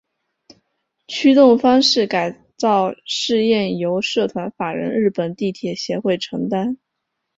驱动方式改造试验由社团法人日本地铁协会承担。